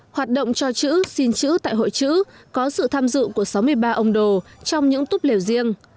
hoạt động cho chữ xin chữ tại hội chữ có sự tham dự của sáu mươi ba ông đồ trong những túp lều riêng